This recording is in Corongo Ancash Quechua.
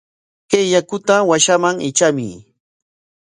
Kay yakuta washaman hitramuy.